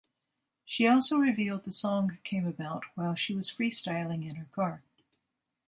She also revealed the song came about while she was freestyling in her car.